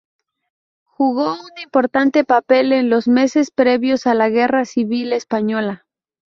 Jugó un importante papel en los meses previos a la Guerra Civil Española.